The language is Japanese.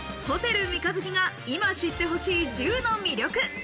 ホテル三日月が今知って欲しい１０の魅力。